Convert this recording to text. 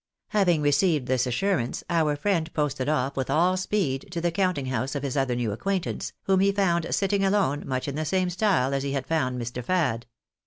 Having received this assurance, our friend posted off with aU speed to the counting house of his other new acquaintance, whom he found sitting alone, much in the same style as he had found Mr. Fad.